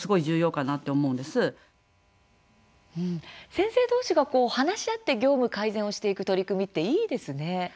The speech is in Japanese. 先生同士が話し合って業務改善をしていく取り組みっていいですね。